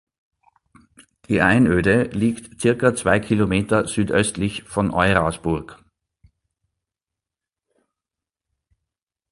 Die Einöde liegt circa zwei Kilometer südöstlich von Eurasburg.